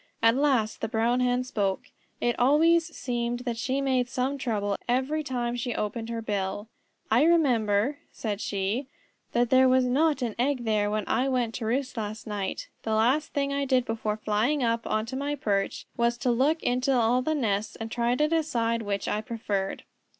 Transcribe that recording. At last the Brown Hen spoke. It always seemed that she made some trouble every time she opened her bill. "I remember," said she, "that there was not an egg there when I went to roost last night. The last thing I did before flying up onto my perch was to look in all the nests and try to decide which I preferred."